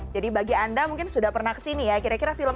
jadi bagi anda mungkin sudah pernah kesini ya kira kira film